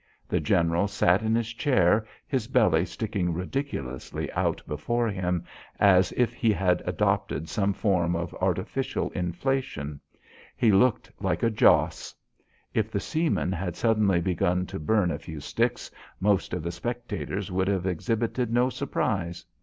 The general sat in his chair, his belly sticking ridiculously out before him as if he had adopted some form of artificial inflation. He looked like a joss. If the seamen had suddenly begun to burn a few sticks, most of the spectators would have exhibited no surprise.